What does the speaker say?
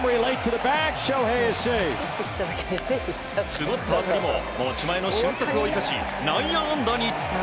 詰まった当たりも持ち前の俊足を生かし内野安打に！